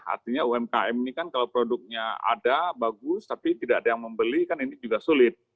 artinya umkm ini kan kalau produknya ada bagus tapi tidak ada yang membeli kan ini juga sulit